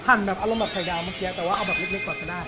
แบบอารมณ์แบบไข่ดาวเมื่อกี้แต่ว่าเอาแบบเล็กก่อนก็ได้